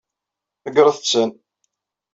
Ḍeggṛet-ten.